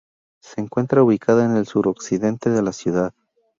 Se encuentra ubicada en el suroccidente de la ciudad.